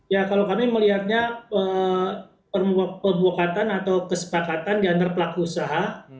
ya kalau kami melihatnya pemufakatan atau kesepakatan gantar pelaku usaha